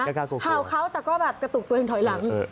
เผ่าเขาแต่กระตุกตัวเองถอยหลัง